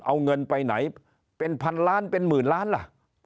เอาเงินไปไหนเป็นพันล้านเป็นหมื่นล้านล่ะ